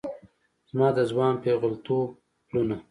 زما د ځوان پیغلتوب پلونه